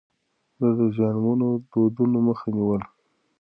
ده د زيانمنو دودونو مخه نيوله.